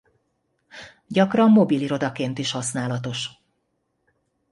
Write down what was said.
Gyakran mobil irodaként is használatos.